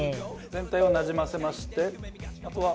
全体をなじませましてあとは。